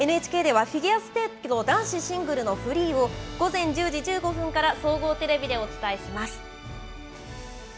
ＮＨＫではフィギュアスケートの男子シングルのフリーを、午前１０時１５分から総合テレビでお伝えします。